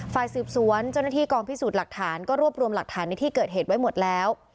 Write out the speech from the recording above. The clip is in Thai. ฝ่ายสืบสวนเจ้าหน้าที่กองพิสูจน์หลักฐานก็รวบรวมหลักฐานในที่เกิดเหตุไว้หมดแล้ว